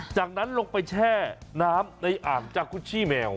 จากนั้นลงไปแช่น้ำในอ่างจากคุชชี่แมว